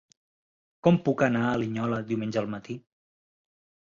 Com puc anar a Linyola diumenge al matí?